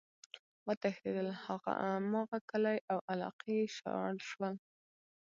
وتښتيدل!! هماغه کلي او علاقي ئی شاړ شول،